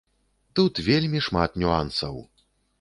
Тут вельмі шмат нюансаў.